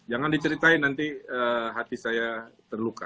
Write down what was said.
jangan diceritain nanti hati saya terluka